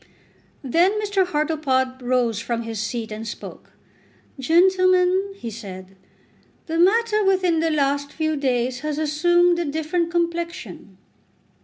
Then Mr. Hartlepod rose from his seat and spoke. "Gentlemen," he said, "the matter within the last few days has assumed a different complexion."